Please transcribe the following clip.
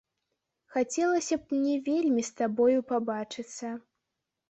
Хацелася б мне вельмі з табою пабачыцца.